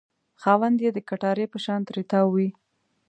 خاوند یې د کټارې په شان ترې تاو وي.